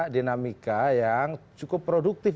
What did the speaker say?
dinamika yang cukup produktif